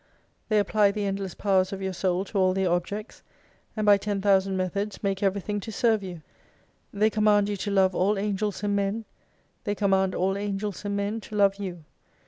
They apply the endless powers of your Soul to all their objects : and by ten thousand methods make everything to serve you. They com mand you to love all Angels and Men. They command all Angels and Men to love you.